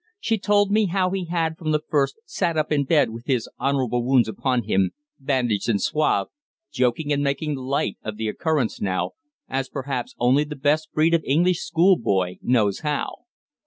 She told me how he had from the first sat up in bed with his "honourable wounds" upon him, bandaged and swathed, joking and making light of the occurrence now, as perhaps only the best breed of English schoolboy knows how.